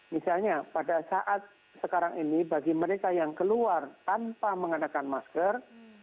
misalnya pada saat sekarang ini bagi mereka yang keluar tanpa mengenakan masker